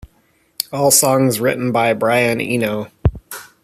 All songs written by Brian Eno.